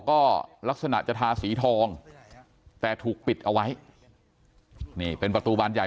ก็ลักษณะจะทาสีทองแต่ถูกปิดเอาไว้นี่เป็นประตูบานใหญ่